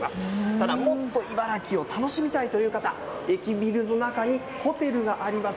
ただ、もっと茨城を楽しみたいという方、駅ビルの中にホテルがあります。